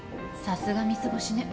さすが三つ星ね。